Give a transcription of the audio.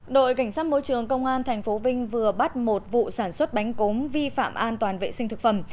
đội cảnh sát môi trường công an tp vinh vừa bắt một vụ sản xuất bánh cốm vi phạm an toàn vệ sinh thực phẩm